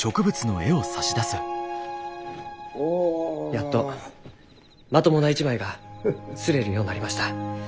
やっとまともな一枚が刷れるようなりました。